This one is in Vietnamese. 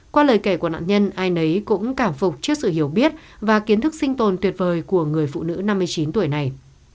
qua lời kể của nạn nhân ai nấy cũng cảm phục trước sự hiểu biết và kiến thức sinh tồn tuyệt vời của người phụ nữ năm mươi chín tuổi này